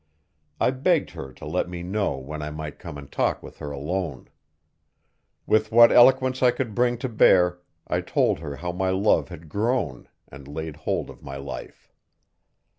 I begged her to let me know when I might come and talk with her alone. With what eloquence I could bring to bear I told her how my love had grown and laid hold of my life.